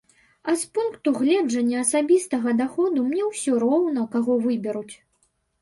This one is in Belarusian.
А з пункту гледжання асабістага даходу мне ўсё роўна, каго выберуць.